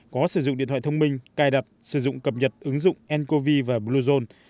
có sử dụng điện thoại thông minh cài đặt sử dụng cập nhật ứng dụng ncov và bluezone